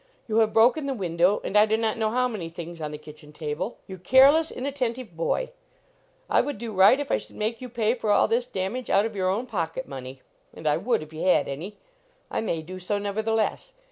You have broken the window, and I do not know how many things on the kitchen table. You careless, inattentive boy. I would do right if I should make you pay for all this damage out of your own pocket money. And I would, if you had any. I may do so, never theless.